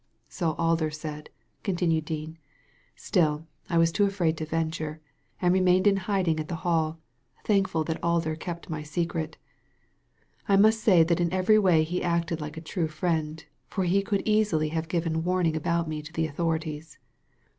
So Alder said," continued Dean. "Still I was too afraid to venture, and remained in hiding at the Hall, thankful that Alder kept my secret I must say that in every way he acted like a true friend, for he could easily have given warning about me to the authorities."